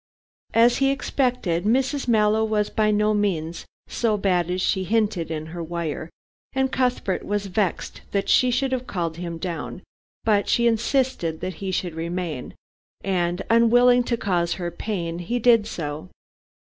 As he expected, Mrs. Mallow was by no means so bad as she hinted in her wire, and Cuthbert was vexed that she should have called him down, but she insisted that he should remain, and, unwilling to cause her pain, he did so.